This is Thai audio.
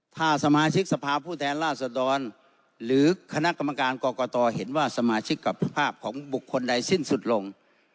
ถ้าสมาชิกสภาพผู้แทนราชดรหรือคณะกรรมการกรกตเห็นว่าสมาชิกกับภาพของบุคคลใดสิ้นสุดลง